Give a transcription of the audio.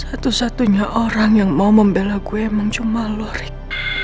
satu satunya orang yang mau membela gue emang cuma lorek